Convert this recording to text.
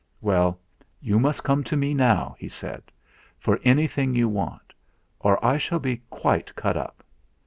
"Well, you must come to me now," he said, "for anything you want, or I shall be quite cut up."